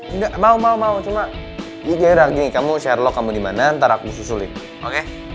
enggak mau mau mau cuma ini gara gara gini kamu sherlock kamu dimana ntar aku susulin oke